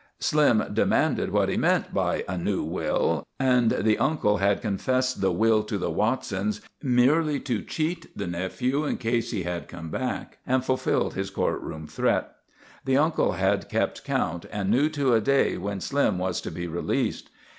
Slim demanded what he meant by a new will, and the uncle had confessed the will to the Watsons merely to cheat the nephew in case he had come back and fulfilled his courtroom threat. The uncle had kept count and knew to a day when Slim was to be released.